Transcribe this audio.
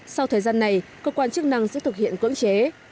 sau thời gian này cơ quan chức năng sẽ thực hiện cưỡng chế